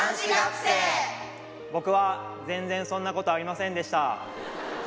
「僕は全然そんなことありませんでした」。